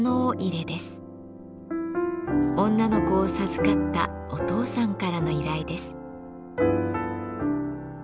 女の子を授かったお父さんからの依頼です。